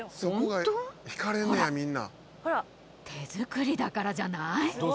手作りだからじゃない？